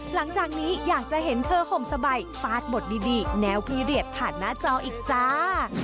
หลังจากนี้อยากจะเห็นเธอห่มสบายฟาดบทดีแนวพีเรียสผ่านหน้าจออีกจ้า